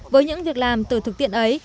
với những việc làm từ thực tiện ấy